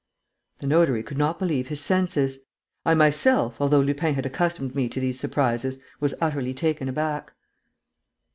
The notary could not believe his senses. I myself, although Lupin had accustomed me to these surprises, was utterly taken back.